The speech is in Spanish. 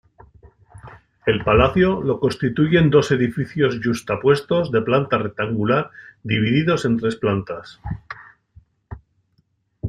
El palacio lo constituyen dos edificios yuxtapuestos de planta rectangular divididos en tres plantas.